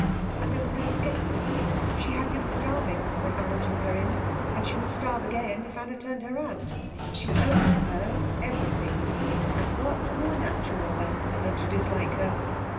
And there was no escape. She had been starving when Anna took her in, and she would starve again if Anna turned her out. She owed her everything; and what more natural, then, than to dislike her?